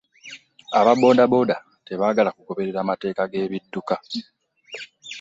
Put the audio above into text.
Aba boodabooda tebagala kugoberera mateeka ge bidduka.